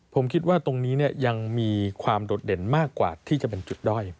ผมคิดว่าตรงนี้ยังมีความโดดเด่นมากกว่าที่จะเป็นจุดด้อย